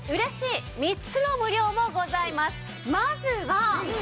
まずは。